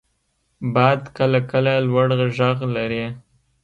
• باد کله کله لوړ ږغ لري.